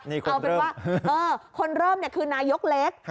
เอาเป็นว่าคนเริ่มคือนายกเล็ก